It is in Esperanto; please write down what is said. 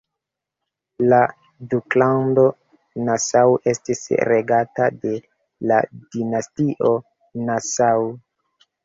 La duklando Nassau estis regata de la dinastio Nassau.